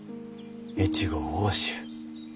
越後奥州